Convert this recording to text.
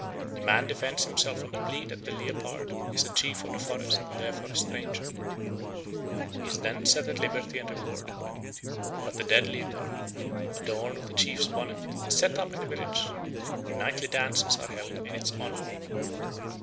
The man defends himself on the plea that the leopard is chief of the forest and therefore a stranger. He is then set at liberty and rewarded. But the dead leopard, adorned with a chief's bonnet, is set up in the village, where nightly dances are held in its honour.